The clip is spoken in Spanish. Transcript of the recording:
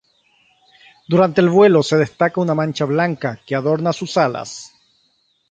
Durante el vuelo se destaca una mancha blanca que adornan sus alas.